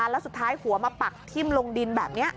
แล้วสุดท้ายหัวมาปักทิ่มลงดินแบบนี้